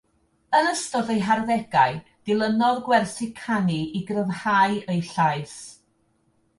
Yn ystod ei harddegau, dilynodd gwersi canu i gryfhau ei llais.